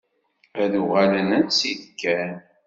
Ad uɣalen ansa i d-kkan.